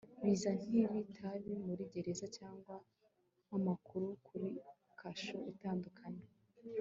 Biza nkitabi muri gereza cyangwa nkamakuru kuri kasho itandukanye